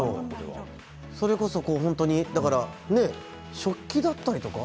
それこそ本当に食器だったりとか？